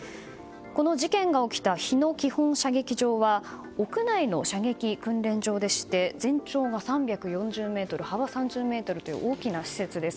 この事件が起きた日野基本射撃場は屋内の射撃訓練場でして全長が３４０ｍ、幅３０ｍという大きな施設です。